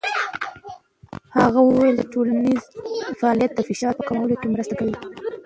هغه وویل چې ټولنیز فعالیت د فشار کمولو کې مرسته کوي.